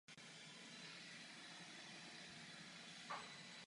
Druhou podmínkou je co nejrychlejší schválení členství ukrajinským parlamentem.